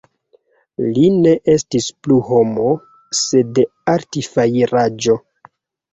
Li ne estis plu homo, sed artfajraĵo.